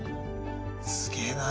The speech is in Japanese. すげえな。